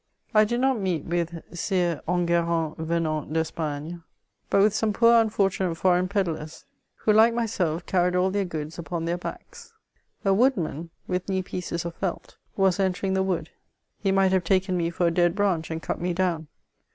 I did not meet with She Enguenimd venani d^Espagne, but with some poor unfortunate foreign pedlars, who, like mysdf, car ried all their goods upon their backs. A woodman, with knee pieces of felt^ was entering the wood ; he might ]u.ve taken me for a dead branch and cut me down.